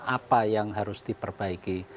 apa yang harus diperbaiki